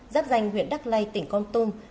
giáp danh huyện đắc lây tỉnh con tung